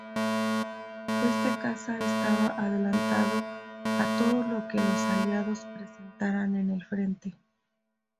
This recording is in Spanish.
Este caza estaba adelantado a todo lo que los Aliados presentaran en el frente.